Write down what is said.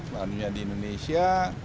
seandainya di indonesia